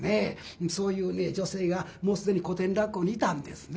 そういう女性がもう既に古典落語にいたんですね。